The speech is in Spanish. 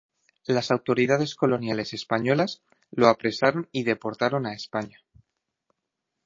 Las autoridades coloniales españolas lo apresaron y deportaron a España.